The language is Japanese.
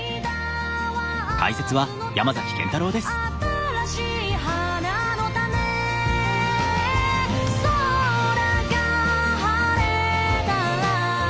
「新しい花の種」「空が晴れたら」